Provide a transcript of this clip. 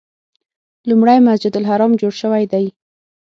لومړی مسجد الحرام جوړ شوی دی.